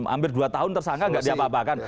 hampir dua tahun tersangka nggak diapa apakan